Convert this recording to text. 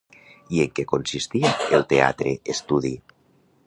I en què consistia el Teatre Estudi?